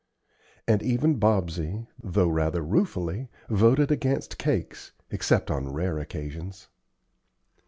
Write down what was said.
and even Bobsey, though rather ruefully, voted against cakes, except on rare occasions.